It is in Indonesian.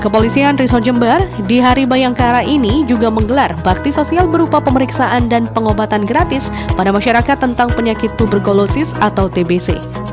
pada masyarakat tentang penyakit tuberkulosis atau tbc